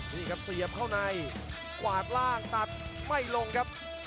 นี่ครับเสียบเข้าในกวาดล่างตัดไม่ลงครับ